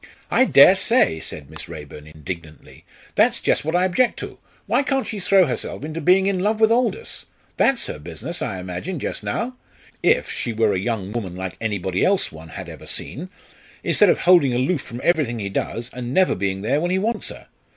"I dare say!" said Miss Raeburn, indignantly. "That's just what I object to. Why can't she throw herself into being in love with Aldous! That's her business, I imagine, just now if she were a young woman like anybody else one had ever seen instead of holding aloof from everything he does, and never being there when he wants her.